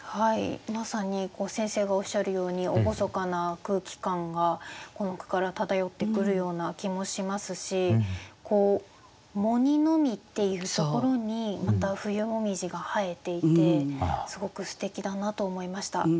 まさに先生がおっしゃるように厳かな空気感がこの句から漂ってくるような気もしますし「喪にのみ」っていうところにまた冬紅葉が映えていてすごくすてきだなと思いました。